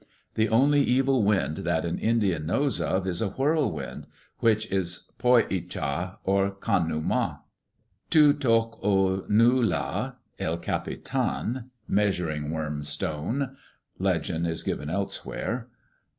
The only 'evil wind' that an Indian knows of is a whirlwind, which is poi i' cha or Kan' u ma. "Tu tok a nu' la, El Capitan. 'Measuring worm stone.' [Legend is given elsewhere.